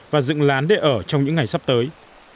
và dựng lán để ở trong những ngày sắp tới